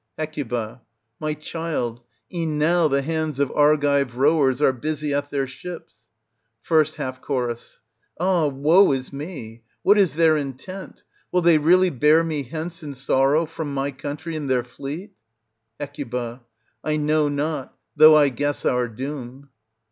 Hec. My child, e'en now the hands of Argive rowers are busy at their ships. 1ST Half Cho. Ah, woe is me! what is their intent? Will they really bear me hence in sorrow from my country in their fleet? Hec. I know not, though I guess our doom.